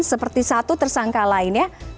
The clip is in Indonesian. seperti satu tersangka lainnya